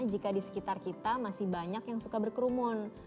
jika di sekitar kita masih banyak yang suka berkerumun